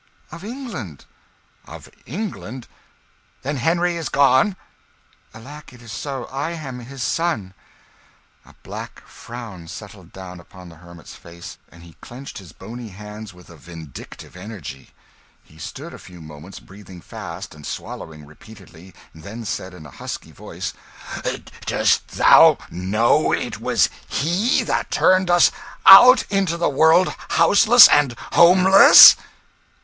"Of England." "Of England? Then Henry is gone!" "Alack, it is so. I am his son." A black frown settled down upon the hermit's face, and he clenched his bony hands with a vindictive energy. He stood a few moments, breathing fast and swallowing repeatedly, then said in a husky voice "Dost know it was he that turned us out into the world houseless and homeless?"